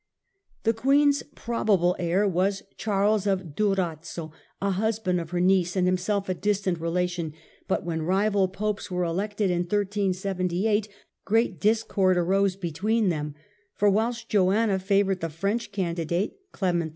The Queen's probable heir was Charles of Du razzo, a husband of her niece and himself a distant re lation ; but when rival Popes were elected in 1378 great discord arose between them, for whilst Joanna favoured the French candidate, Clement VII.